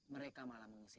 mereka malah mengusir saya